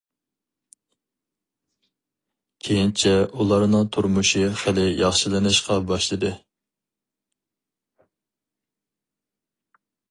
كېيىنچە ئۇلارنىڭ تۇرمۇشى خېلى ياخشىلىنىشقا باشلىدى.